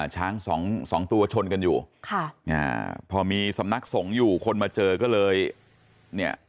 ช้าง๒ตัวชนกันอยู่พอมีสำนักส่งอยู่คนมาเจอก็เลย